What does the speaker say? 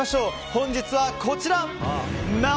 本日はこちら！